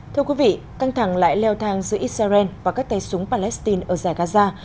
thưa quý vị căng thẳng lại leo thang giữa israel và các tay súng palestine ở giải gaza